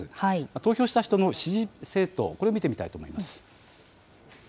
投票した人の支持政党、これを見てみたいと思います。